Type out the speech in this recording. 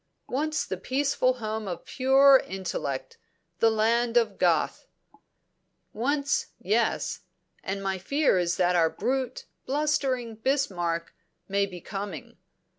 "Once the peaceful home of pure intellect, the land of Goethe." "Once, yes. And my fear is that our brute, blustering Bismarck may be coming.